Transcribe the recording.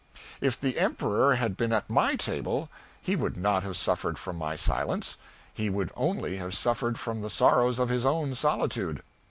If the Emperor had been at my table, he would not have suffered from my silence, he would only have suffered from the sorrows of his own solitude.